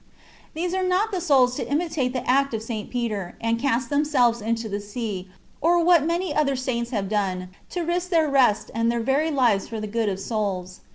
These are not the souls to imitate the act of St. Peter, and cast themselves into the sea ; or what many other Saints have done, to risk their rest and their very lives for the good of souls.